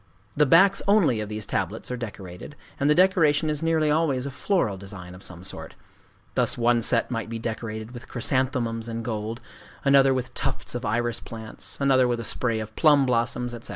The backs only of these tablets are decorated; and the decoration is nearly always a floral design of some sort:—thus one set might be decorated with chrysanthemums in gold, another with tufts of iris plants, another with a spray of plum blossoms, etc.